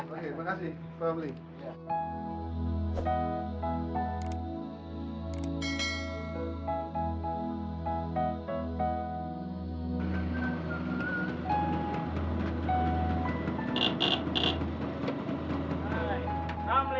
oke terima kasih pak amli